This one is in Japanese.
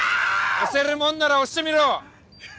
押せるもんなら押してみろ。